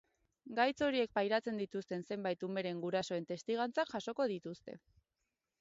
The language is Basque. Gaitz horiek pairatzen dituzten zenbait umeren gurasoen testigantzak jasoko dituzte.